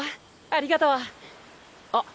ありがとう。あ！